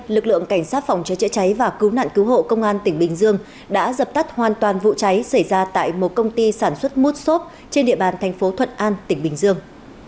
lực lượng cảnh sát phòng cháy chữa cháy và cứu nạn cứu hộ công an tỉnh bình dương đã dập tắt hoàn toàn vụ cháy xảy ra tại một công ty sản xuất mút xốp trên địa bàn thành phố thuận an tỉnh bình dương